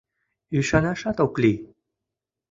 Ӱшанашат ок лий.